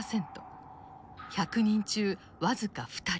１００人中僅か２人。